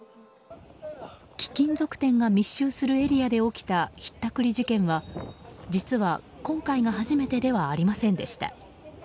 貴金属店が密集するエリアで起きたひったくり事件は実は、今回が初めてではありませんでした。